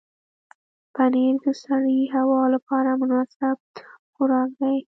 پنېر د سړې هوا لپاره مناسب خوراک دی.